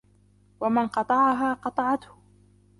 وَمَنْ قَطَعَهَا قَطَعْتُهُ